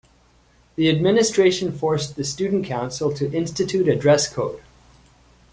The administration forced the student council to institute a dress code.